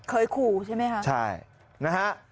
เคยขู่ใช่ไหมคะใช่นะฮะ